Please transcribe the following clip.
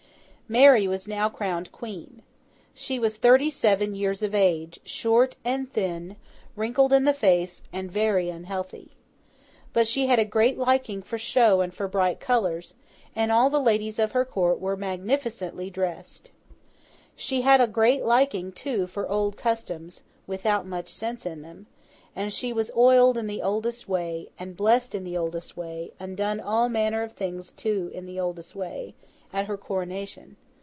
Mary was now crowned Queen. She was thirty seven years of age, short and thin, wrinkled in the face, and very unhealthy. But she had a great liking for show and for bright colours, and all the ladies of her Court were magnificently dressed. She had a great liking too for old customs, without much sense in them; and she was oiled in the oldest way, and blessed in the oldest way, and done all manner of things to in the oldest way, at her coronation.